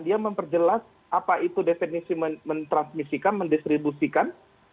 dia memperjelas apa itu definisi mentransmisikan mendistribusikan